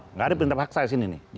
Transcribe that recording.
tidak ada perintah paksa disini nih